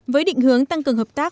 với định hướng tăng cường hợp tác